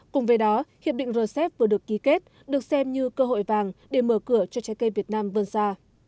cùng với đó hiệp định rcep vừa được ký kết được xem như cơ hội vàng để mở cửa cho trái cây việt nam vươn xa